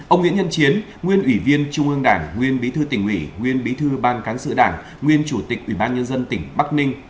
ông nguyễn nhân chiến nguyên ủy viên trung ương đảng nguyên bí thư tỉnh ủy nguyên bí thư ban cán sự đảng nguyên chủ tịch ủy ban nhân dân tỉnh bắc ninh